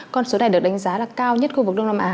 con số này được đánh giá là cao nhất khu vực đông nam á